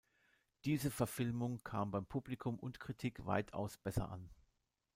Diese Verfilmung kam bei Publikum und Kritik weitaus besser an.